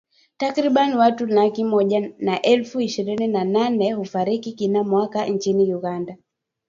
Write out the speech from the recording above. Takriban watu laki moja na elfu ishirini na nane hufariki kila mwaka nchini Uganda.